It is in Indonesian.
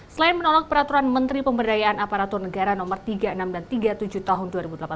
selain menolak peraturan menteri pemberdayaan aparatur negara nomor tiga puluh enam dan tiga puluh tujuh tahun dua ribu delapan belas